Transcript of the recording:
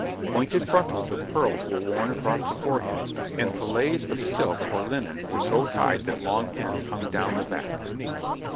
Pointed frontals of pearls were worn across the forehead, and fillets of silk or linen were so tied that long ends hung down the back.